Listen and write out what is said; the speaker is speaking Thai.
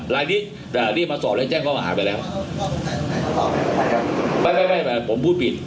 รายนี้อ่าเรียนมาสอบแล้วแจ้งข้ออาหารไปแล้วไม่ไม่ไม่ไม่ผมพูดผิด